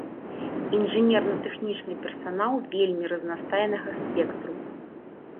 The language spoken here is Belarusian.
Інжынерна-тэхнічны персанал вельмі разнастайнага спектру.